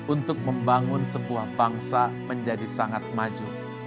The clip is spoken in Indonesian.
untuk membangun sebuah bangsa menjadi sangat maju